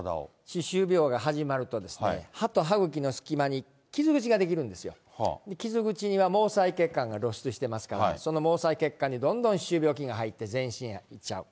歯周病が始まると、歯と歯ぐきの隙間に傷口が出来るんですよ、傷口は毛細血管が露出してますから、その毛細血管にどんどん歯周病菌が入って、全身に行っちゃう。